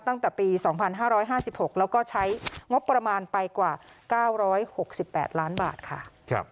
ตั้งแต่ปี๒๕๕๖แล้วก็ใช้งบประมาณไปกว่า๙๖๘ล้านบาทค่ะ